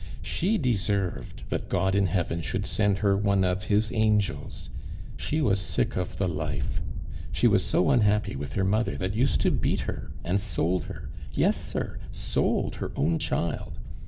She deserved that God in heaven should send her one of His angels. She was sick of the life. She was so unhappy with her mother that used to beat her, and sold her. Yes, sir, sold her own child!